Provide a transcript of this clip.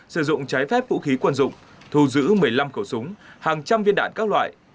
sử dụng trái phép vũ khí quân dụng thu giữ một mươi năm khẩu súng hàng trăm viên đạn các loại